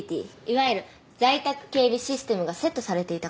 いわゆる在宅警備システムがセットされていたからです。